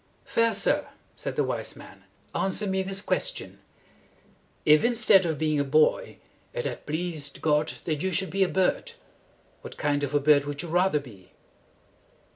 "Fair sir," said the wise man, "answer me this question: If, instead of being a boy, it had pleased God that you should be a bird, what kind of a bird would you rather be?"